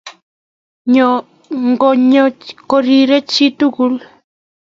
Ngonyo korirei chii tugul